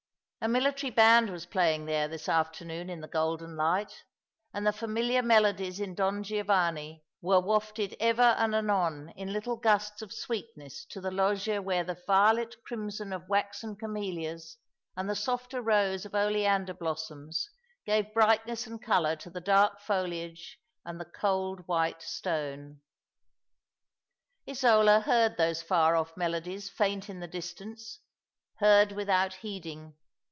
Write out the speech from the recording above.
A military band was playing there this afternoon in the golden light, and the familiar melodies in Don Giovanni were wafted ever and anon in little gusts of sweetness to the loggia where the vivid crimson of waxen camelias and the softer rose of oleander blossoms gave brightness and colour to the dark foliage and the cold white stone. Isola heard those far off melodies faint in the distance — heard without heeding.